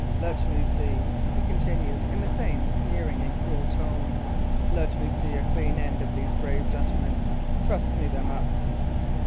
"Let me see," he continued, in the same sneering and cruel tones "let me see a clean end of these brave gentlemen. Truss me them up."